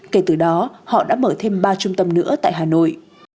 kể từ đó họ đã mở thêm ba trung tâm nữa tại hà nội